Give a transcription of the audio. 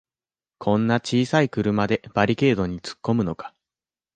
こんな小さい車でバリケードにつっこむのか